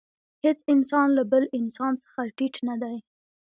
هېڅ انسان له بل انسان څخه ټیټ نه دی.